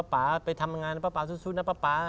ป๊าไปทำงานป๊าสู้นะป๊า